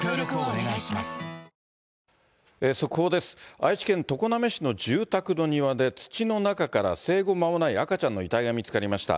愛知県常滑市の住宅の庭で、土の中から生後間もない赤ちゃんの遺体が見つかりました。